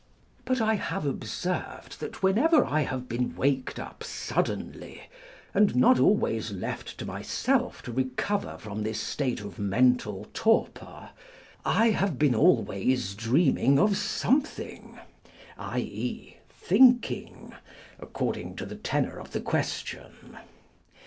But I have observed that whenever I have been waked up suddenly, and not left to myself to recover from this state of mental torpor, I have been always dreaming of something, i. e., thinking, according to the tenor of the question.